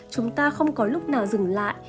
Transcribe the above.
chúng ta không có lúc nào dừng lại